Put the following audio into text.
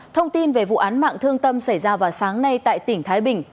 thông tin về vụ án mạng thương tâm xảy ra vào sáng nay tại tỉnh thái bình